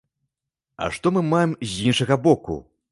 А што мы маем з іншага боку?